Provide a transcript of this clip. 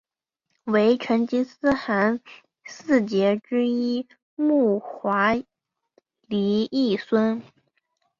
为成吉思汗四杰之一木华黎裔孙。